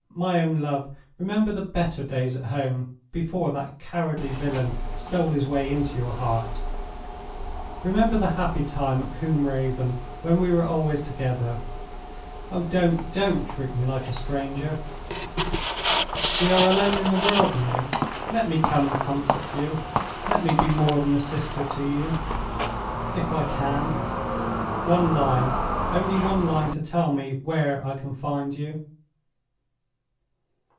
My own love, remember the better days at home before that cowardly villain stole his way into your heart; remember the happy time at Combe Raven when we were always together. Oh, don't, don't treat me like a stranger! We are alone in the world now—let me come and comfort you, let me be more than a sister to you, if I can. One line—only one line to tell me where I can find you!"